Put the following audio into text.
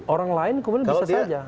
orang lain kemudian bisa saja